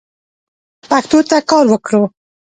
باید پښتو ته کار وکړو